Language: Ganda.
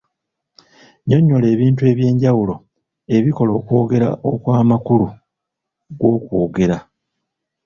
Nnyonnyola ebintu eby'enjawulo ebikola okwogera okw'amakulu g'okwogera